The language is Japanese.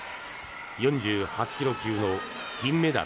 ４８ｋｇ級の金メダル